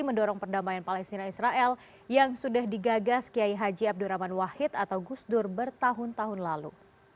mendorong perdamaian palestina israel yang sudah digagas kiai haji abdurrahman wahid atau gusdur bertahun tahun lalu